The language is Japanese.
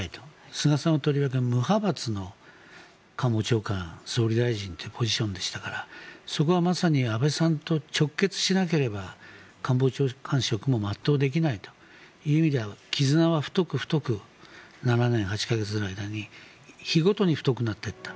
菅さんはとりわけ無派閥の官房長官総理大臣というポジションでしたからそこはまさに安倍さんと直結しなければ官房長官職も全うできないという意味では菅さんは太く太く７年８か月の間に日ごとに太くなっていった。